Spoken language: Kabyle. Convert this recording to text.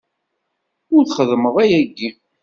Ur txeddmeḍ ayagi!